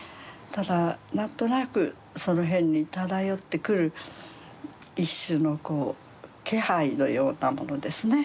ただ何となくその辺に漂ってくる一種のこう気配のようなものですね。